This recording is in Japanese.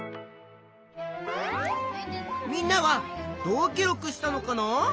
みんなはどう記録したのかな？